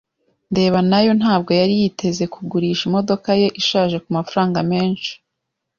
ndeba nayo ntabwo yari yiteze kugurisha imodoka ye ishaje kumafaranga menshi.